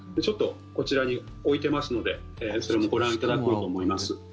ちょっとこちらに置いてますのでそれもご覧いただこうと思います。